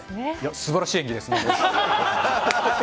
すばらしい演技ですね。